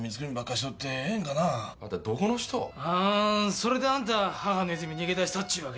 それであんた母之泉逃げ出したっちゅうわけじゃのぅ。